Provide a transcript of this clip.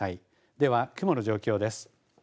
では、雲の状況です。